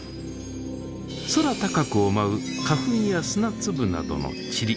空高くを舞う花粉や砂粒などのちり。